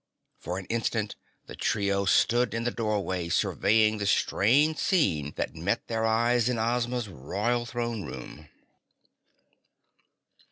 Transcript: For an instant the trio stood in the doorway, surveying the strange scene that met their eyes in Ozma's Royal Throne Room.